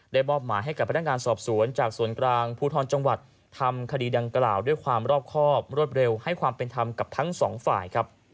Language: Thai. มอบหมายให้กับพนักงานสอบสวนจากส่วนกลางภูทรจังหวัดทำคดีดังกล่าวด้วยความรอบครอบรวดเร็วให้ความเป็นธรรมกับทั้งสองฝ่ายครับ